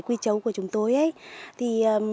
quỳ châu của chúng tôi